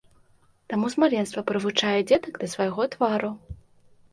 Таму з маленства прывучае дзетак да свайго твару.